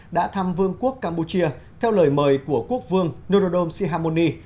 đã thăm vương quốc campuchia theo lời mời của quốc vương norodom sihamoni